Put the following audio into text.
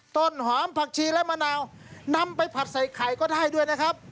ต้นหอมผักชีและมะนาวนำไปผัดใส่ไข่ก็ได้ด้วยนะครับ